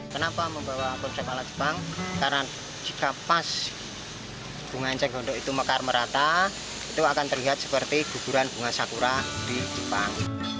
kenapa membawa produk ala jepang karena jika pas bunga eceng gondok itu mekar merata itu akan terlihat seperti guguran bunga sakura di jepang